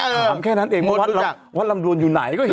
ถามแค่นั้นเองวัดลำดวนอยู่ไหนก็เห็น